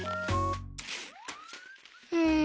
うん。